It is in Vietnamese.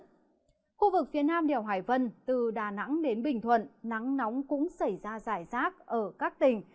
khu vực phía nam đèo hải vân từ đà nẵng đến bình thuận nắng nóng cũng xảy ra giải rác ở các tỉnh